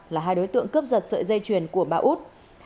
là hai đối tượng cướp giật sợi dây chuyền của bà út